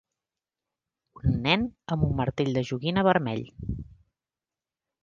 Un nen amb un martell de joguina vermell.